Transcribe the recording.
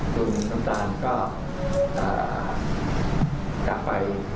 คุณน้ำตาลก็กลับไป